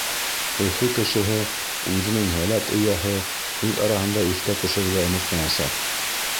Өфө кешеһе үҙенең һәләт эйәһе һүҙ араһында иҫкә төшөрөргә онотмаясаҡ.